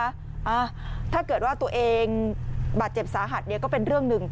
อ่าถ้าเกิดว่าตัวเองบาดเจ็บสาหัสเนี่ยก็เป็นเรื่องหนึ่ง